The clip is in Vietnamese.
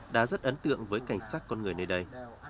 đã rất ấn tượng với cảnh sát con người nơi đây